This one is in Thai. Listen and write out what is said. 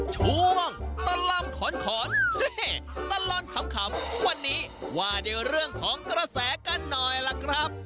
ช่วงตลอดขอนตลอดขำวันนี้ว่าด้วยเรื่องของกระแสกันหน่อยล่ะครับ